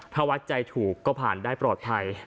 ถ้าวัดใจถูกก็ผ่านได้ปลอดภัย